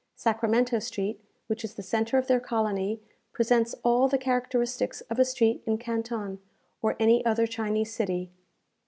Sacramento Street, which is the centre of their colony, presents all the characteristics of a street in Canton, or any other Chinese city.